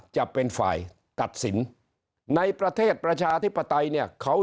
จะเป็นฝ่ายตัดสินในประเทศประชาธิปไตยเนี่ยเขา